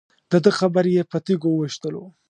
دده قبر یې په تیږو ویشتلو.